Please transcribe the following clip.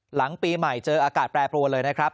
หลังปีใหม่เจออากาศแปรปรวนเลยนะครับ